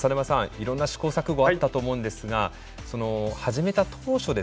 いろんな試行錯誤あったと思うんですが始めた当初ですね